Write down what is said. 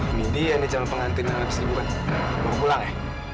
ini dia nih jaman pengantin alen setibukan bawa pulang ya